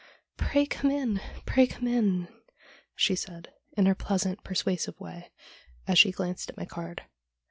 ' Pray come in, pray come in !' she said, in her pleasant, persuasive way, as she glanced at my card.